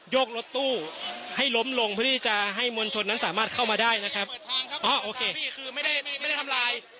กรถตู้ให้ล้มลงเพื่อที่จะให้มวลชนนั้นสามารถเข้ามาได้นะครับอ๋อโอเคนี่คือไม่ได้ไม่ได้ทำลาย